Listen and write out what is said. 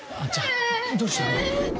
あっちゃんどうしたの？